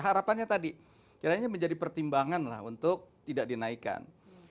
harapannya tadi kiranya menjadi pertimbangan lah untuk tidak dinaikkan